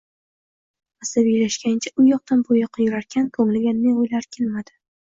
Asabiylashgancha u yoqdan bu yoqqa yurarkan, ko`ngliga ne o`ylar kelmadi